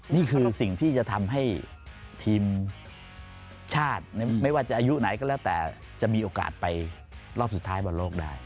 นี่คือสิ่งที่จะทำให้ทีมชาติไม่ว่าจะอายุไหนก็แล้วแต่จะมีโอกาสไปรอบสุดท้ายบนโลกได้